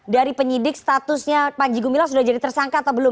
dari penyidik statusnya panji gumilang sudah jadi tersangka atau belum